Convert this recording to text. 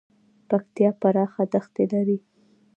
پکتیکا پراخه دښتې لري